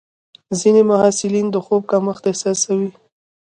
ځینې محصلین د خوب کمښت احساسوي.